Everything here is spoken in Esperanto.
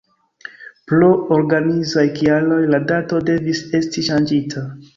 Pro organizaj kialoj la dato devis esti ŝanĝita!.